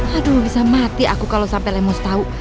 aduh bisa mati aku kalau sampai lemos tahu